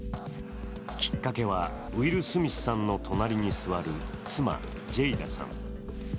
きっかけは、ウィル・スミスさんの隣に座る妻・ジェイダさん。